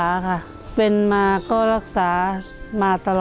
อาทิตย์ละ๓๖๐๐บาท